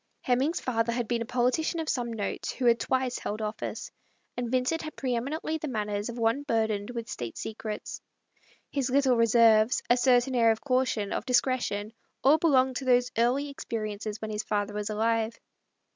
Hemming's father had been a politician of some note, who had held office once, and Vin cent had pre eminently the manners of one burdened with state secrets; and his little 69 10 THE STORY OF A MODERN WOMAN. reserves, a certain air of caution, of. discretion, all belonged to those early experiences when his father was alive.